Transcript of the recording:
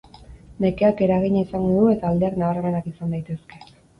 Nekeak eragina izango du eta aldeak nabarmenak izan daitezke.